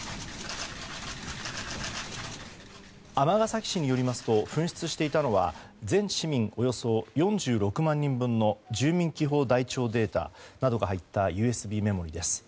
尼崎市によりますと紛失していたのは全市民およそ４６万人分の住民基本台帳データなどが入ったＵＳＢメモリーです。